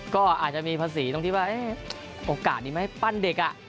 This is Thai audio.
ก็อาจจะมีภาษีตรงที่ว่าเอ๊ะโอกาสดีมั้ยปั้นเด็กอ่ะ